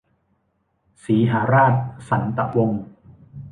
สีหราช สันตะวงศ์